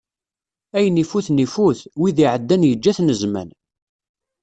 Ayen ifuten ifut, wid iɛeddan yeǧǧa-ten zzman.